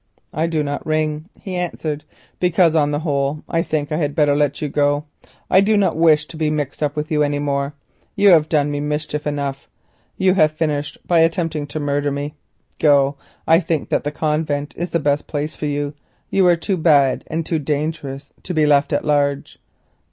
"I do not ring," he answered, "because on the whole I think I had better let you go. I do not wish to be mixed up with you any more. You have done me mischief enough; you have finished by attempting to murder me. Go; I think that a convent is the best place for you; you are too bad and too dangerous to be left at large."